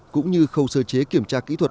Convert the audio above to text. cũng như khâu sơ chế kiểm tra kỹ thuật